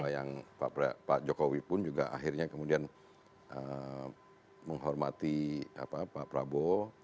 yang pak jokowi pun juga akhirnya kemudian menghormati pak prabowo